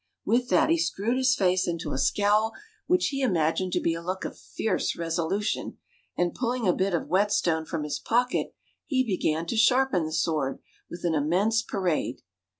With that he screwed his face into a scowl which he imagined to be a look of fierce resolution, and pulling a bit of whetstone from his pocket, he began to sharpen the sword, with an immense parade.